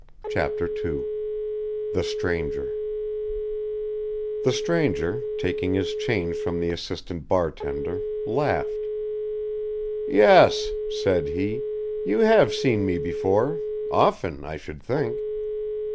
CHAPTER II THE STRANGER The stranger, taking his change from the assistant bar tender, laughed. "Yes," said he, "you have seen me before, often, I should think.